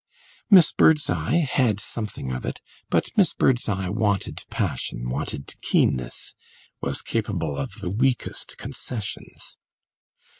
Miss Birdseye had something of it, but Miss Birdseye wanted passion, wanted keenness, was capable of the weakest concessions.